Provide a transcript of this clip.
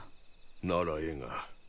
ならええが。